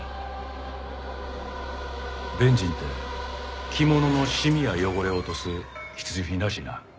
ベンジンって着物のシミや汚れを落とす必需品らしいな。